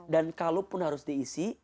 dan kalau pun harus diisi